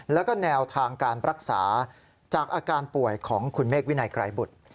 แล้วก็แนวทางการรักษาจากอาการป่วยของคุณเมฆวินัยไกรบุตร